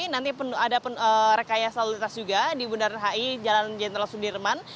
nanti ada rekayasa lalu lintas juga di bundaran hi jalan jenderal sudirman